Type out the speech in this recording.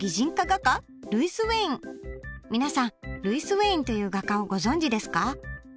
皆さんルイス・ウェインっていう画家をご存じですか？